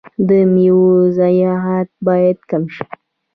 د میوو ضایعات باید کم شي.